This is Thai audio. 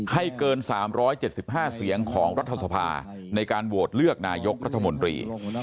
ให้เกิน๓๗๕เสียงของรัฐสภาในการโหวตเลือกนายกรัฐมนตรี